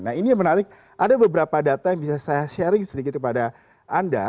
nah ini yang menarik ada beberapa data yang bisa saya sharing sedikit kepada anda